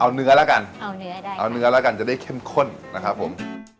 เอาเนื้อแล้วกันเอาเนื้อได้เอาเนื้อแล้วกันจะได้เข้มข้นนะครับผม